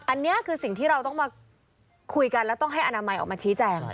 อันนี้คือสิ่งที่เราต้องมาคุยกันแล้วต้องให้อนามัยออกมาชี้แจง